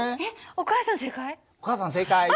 お母さん正解。